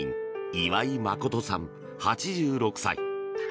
岩井仁さん、８６歳。